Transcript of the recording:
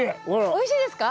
おいしいですか？